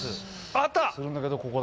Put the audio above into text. あった！